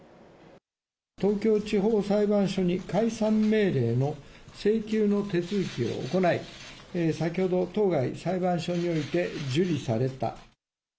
東京地方裁判所に解散命令の請求の手続きを行い、先ほど当該裁判所において、受理された。